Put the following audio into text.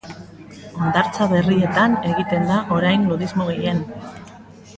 Hondartza berrietan egiten da orain nudismo gehien.